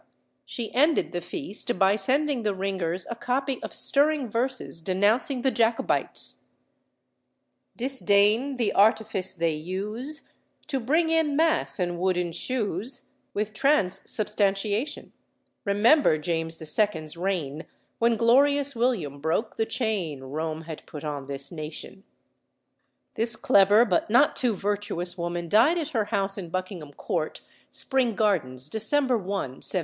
She ended the feast by sending the ringers a copy of stirring verses denouncing the Jacobites; "Disdain the artifice they use To bring in mass and wooden shoes With transubstantiation: Remember James the Second's reign, When glorious William broke the chain Rome had put on this nation." This clever but not too virtuous woman died at her house in Buckingham Court, Spring Gardens, December 1, 1723.